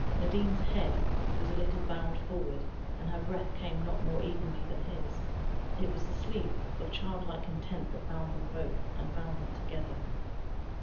Nadine's head was a little bowed forward, and her breath came not more evenly than his. It was the sleep of childlike content that bound them both, and bound them together.